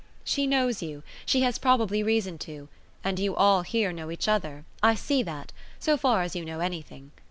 She knows you. She has probably reason to. And you all here know each other I see that so far as you know anything.